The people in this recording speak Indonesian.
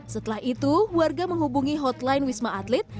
setelah itu warga menghubungi hotline wisma atlet